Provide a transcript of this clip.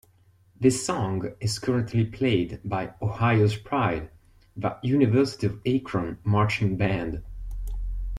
This song is currently played by "Ohio's Pride," The University of Akron Marching Band.